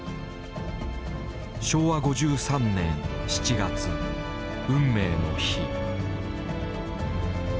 昭和５３年７月運命の日。